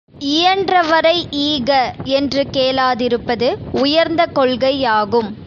இயன்றவரை ஈக என்று கேளாதிருப்பது உயர்ந்த கொள்கையாகும்.